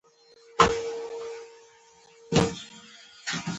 دښمن د سولې بنده وي